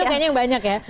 itu kayaknya yang banyak ya